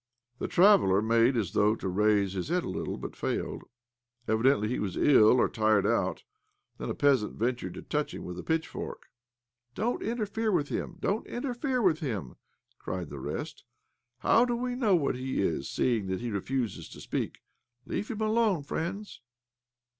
The traveller made as though to raise his head a little, but failed. Evidently he was ill or tired out. Then a peasant ventured to touch him with a pitchfork, " Don't interfere with him, don't interfere with him !" cried the rest. "How do we know what he is, seeing that he refuses to speak ? Leave him alone, friends